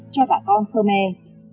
cho bà con khmer